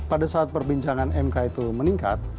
pada saat perbincangan mk itu meningkat